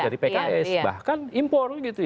dari pks bahkan impor gitu ya